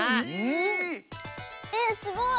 えっすごい！